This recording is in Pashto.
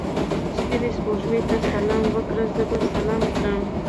سپینې سپوږمۍ ته سلام وکړه؛ زه به سلام کړم.